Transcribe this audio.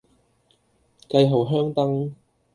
繼後香燈